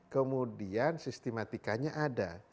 kemudian sistematikanya ada